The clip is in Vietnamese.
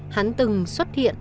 hắn từng xuất hiện